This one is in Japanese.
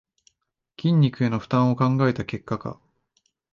筋肉への負担を考えた結果か